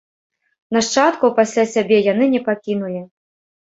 Нашчадкаў пасля сябе яны не пакінулі.